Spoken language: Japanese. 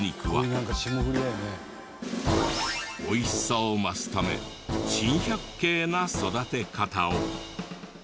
おいしさを増すため珍百景な育て方を。